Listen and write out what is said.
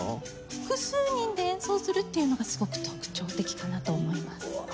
複数人で演奏するっていうのがすごく特徴的かなと思います。